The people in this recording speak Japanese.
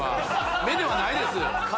目ではないです。